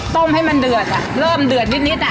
ทำให้มันเดือดอ่ะเริ่มเดือดนิดนิดอ่ะ